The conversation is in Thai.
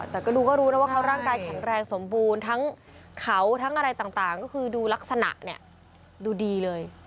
แต่ก็ดูก็รู้นะว่าเขาร่างกายแข็งแรงสมบูรณ์ทั้งเขาทั้งอะไรต่างก็คือดูลักษณะเนี่ยดูดีเลย